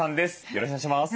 よろしくお願いします。